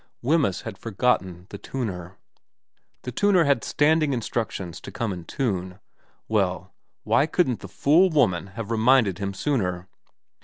Wemyss had forgotten the tuner. The tuner had standing instructions to come and tune. Well, why couldn't the fool woman have reminded him sooner